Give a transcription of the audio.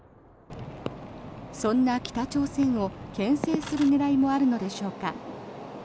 そんな北朝鮮をけん制する狙いもあるのでしょうか。